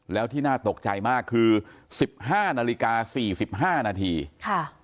แล้วที่น่าตกใจมากคือสิบห้านาฬิกาสี่สิบห้านาทีค่ะ